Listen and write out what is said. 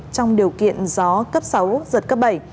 trong điều kiện gió cấp sáu giật cấp bảy